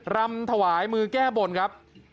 รำถวายมือแก้บนครับ